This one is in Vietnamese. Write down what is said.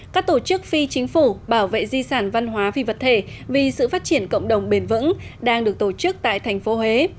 các tổ chức phi chính phủ bảo vệ di sản văn hóa phi vật thể vì sự phát triển cộng đồng bền vững đang được tổ chức tại thành phố huế